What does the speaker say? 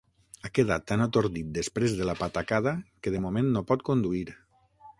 Ha quedat tan atordit després de la patacada que de moment no pot conduir.